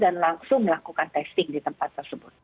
dan langsung melakukan testing di tempat tersebut